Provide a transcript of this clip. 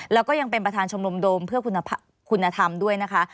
แล้วก็ยังเป็นประธานชมรมโดมเพื่อคุณธรรมด้วยนะคะ